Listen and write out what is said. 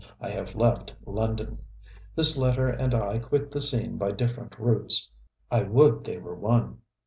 I have left London. This letter and I quit the scene by different routes I would they were one.